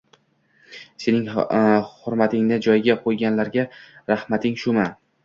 Sening hurmatingni joyiga qo'yganlarga rahmating shumi